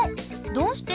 どうして？